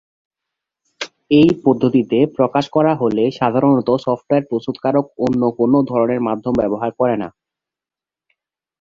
এই পদ্ধতিতে প্রকাশ করা হলে সাধারণত সফটওয়্যার প্রস্তুতকারক অন্য কোনো ধরনের মাধ্যম ব্যবহার করেন না।